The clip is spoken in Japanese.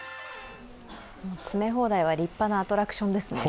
詰め放題は立派なアトラクションですね。